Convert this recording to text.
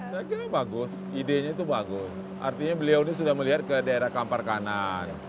saya kira bagus idenya itu bagus artinya beliau ini sudah melihat ke daerah kampar kanan